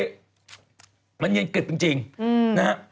เพลงมันเย็นกริดจริงนะฮะ